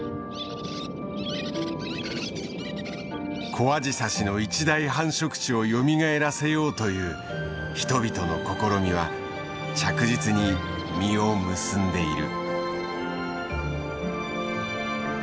コアジサシの一大繁殖地をよみがえらせようという人々の試みは着実に実を結んでいる。